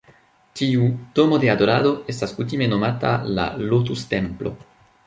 Tiu "Domo de Adorado" estas kutime nomata la "Lotus-Templo".